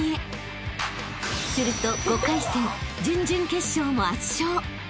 ［すると５回戦準々決勝も圧勝］